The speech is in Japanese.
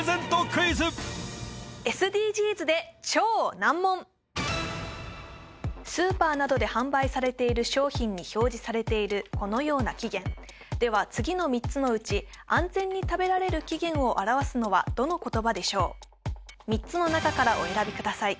クイズＳＤＧｓで超難問スーパーなどで販売されている商品に表示されているこのような期限では次の３つのうち安全に食べられる期限を表すのはどの言葉でしょう３つのなかからお選びください